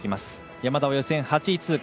山田は予選８位通過。